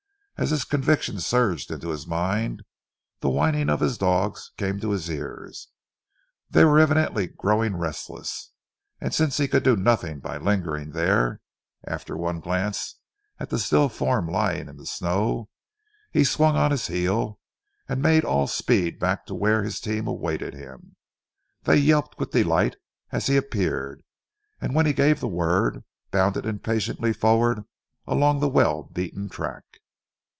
As this conviction surged into his mind the whining of his dogs came to his ears. They were evidently growing restless, and since he could do nothing by lingering there, after one glance at the still form lying in the snow, he swung on his heel, and made all speed back to where his team awaited him. They yelped with delight as he appeared, and when he gave the word, bounded impatiently forward along the well beaten track.